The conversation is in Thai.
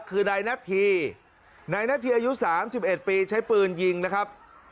คือในหน้าทีในหน้าทีอายุ๓๑ปีใช้ปืนยิงนะครับ